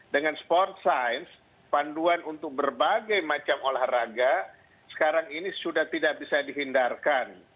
dengan sport science panduan untuk berbagai macam olahraga sekarang ini sudah tidak bisa dihindarkan